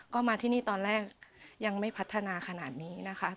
ก็มาที่นี่ตอนแรกยังไม่พัฒนาขนาดนี้นะคะ